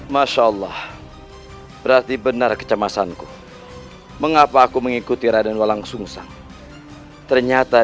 masya allah berarti benar kecemasanku mengapa aku mengikuti raden walang sungsang ternyata